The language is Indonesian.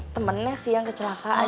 temennya sih yang kecelakaan